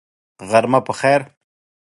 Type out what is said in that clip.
غرمه په خیر !